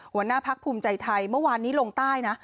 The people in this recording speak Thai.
หัวหน้าพักภูมิใจไทยเมื่อวานนี้ลงใต้นะ